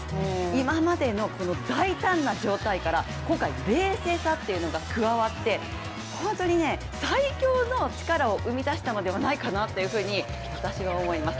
今までの大胆な状態から今回、冷静さというのが加わって本当に最強の力を生み出したのではないかなというふうに私は思います。